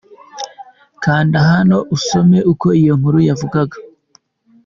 Kanda hano usome uko iyo nkuru yavugaga.